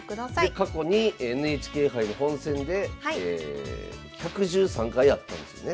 で過去にＮＨＫ杯の本戦で１１３回あったんですよね。